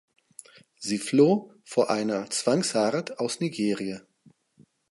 Sie floh vor einer Zwangsheirat aus Nigeria.